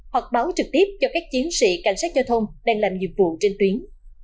hoặc báo trực tiếp cho các chiến sĩ cảnh sát giao thông đang làm nhiệm vụ trên tuyến